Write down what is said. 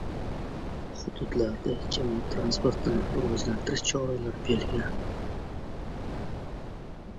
Hududlarda jamoat transportini rivojlantirish choralari belgilandi